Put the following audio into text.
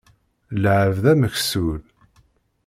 D lεebd ameksul.